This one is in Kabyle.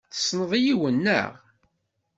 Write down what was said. Tessneḍ yiwen, naɣ?